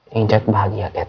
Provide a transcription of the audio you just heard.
ingin jadi bahagia cat